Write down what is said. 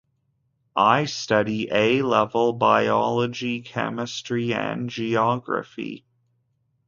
I study A-Level Biology, Chemistry and Geography.